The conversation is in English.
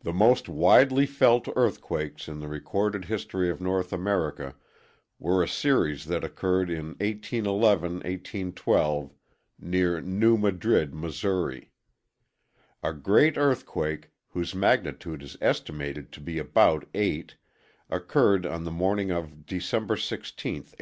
The most widely felt earthquakes in the recorded history of North America were a series that occurred in 1811 12 near New Madrid, Mo. A great earthquake, whose magnitude is estimated to be about 8, occurred on the morning of December 16, 1811.